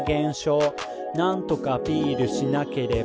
「なんとかアピールしなければ」